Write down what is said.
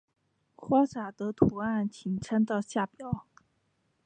花札的图案请参照下表。